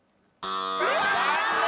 残念。